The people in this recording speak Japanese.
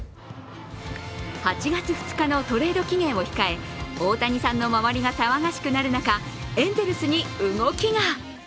８月２日のトレード期限を控え、大谷さんの周りがさわがしくなる中、エンゼルスに動きが。